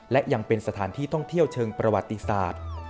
และยังเป็นสถานที่ท่องเที่ยวเชิงประวัติศาสตร์